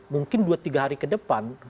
mungkin dua tiga hari ke depan